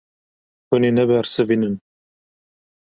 Hûn ê nebersivînin.